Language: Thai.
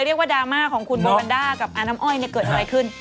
เรียกว่าดราม่าของคุณโบราณด้ากับอาน้ำอ้อยเกิดอะไรขึ้น